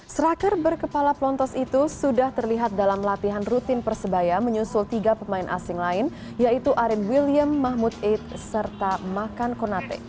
striker berkepala pelontos itu sudah terlihat dalam latihan rutin persebaya menyusul tiga pemain asing lain yaitu arin william mahmud eid serta makan konate